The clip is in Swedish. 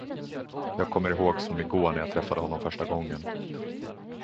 Jag kommer ihåg som i går när jag träffade honom första gången.